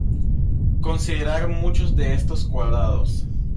Considerar muchos de estos cuadrados.